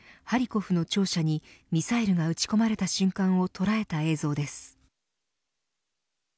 ハリコフの庁舎にミサイルが撃ち込まれた瞬間をとらえた映像です。